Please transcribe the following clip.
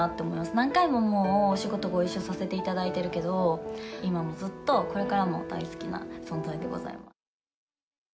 何回ももう、お仕事ご一緒させていただいているけど、今もずっと、これからも大好きな存在でございます。